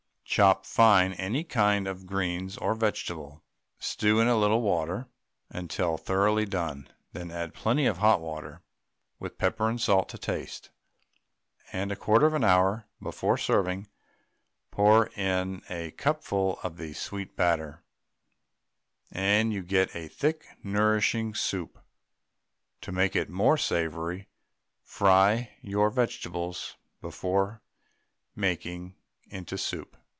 Chop fine any kinds of greens or vegetables, stew in a little water until thoroughly done, then add plenty of hot water, with pepper and salt to taste, and a 1/4 of an hour before serving, pour in a cupful of the "Sweet Batter," and you get a thick, nourishing soup. To make it more savoury, fry your vegetables before making into soup.